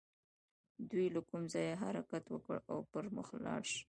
دوی له کوم ځايه حرکت وکړي او پر مخ لاړ شي.